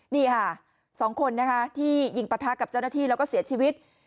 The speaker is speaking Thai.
นี่ค่ะสองคนที่ยิงประทักษ์กับเจ้าหน้าที่แล้วก็เสียชีวิต